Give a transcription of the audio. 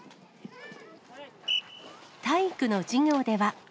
体育の授業では。